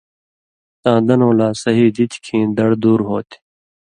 تاں دنؤں لا صحیح دِتیۡ کھیں دڑ دُور ہوتھی۔